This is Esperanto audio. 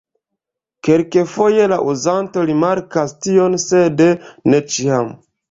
Kelkfoje la uzanto rimarkas tion sed ne ĉiam.